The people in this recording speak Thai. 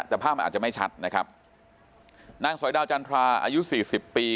แต่ภาพมันอาจจะไม่ชัดนะครับนางสอยดาวจันทราอายุสี่สิบปี